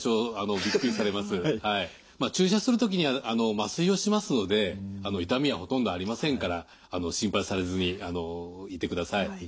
注射する時には麻酔をしますので痛みはほとんどありませんから心配されずにいてください。